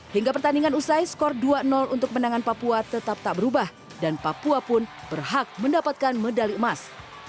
hingga pertandingan usai skor dua untuk menangan papua tetap tak berubah dan papua pun berhak mendapatkan medali emas